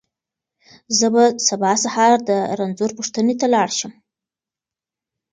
زه به سبا سهار د رنځور پوښتنې ته لاړ شم.